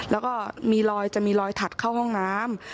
แล้วก็จะมีลอยถัดเข้าห้องน้ำ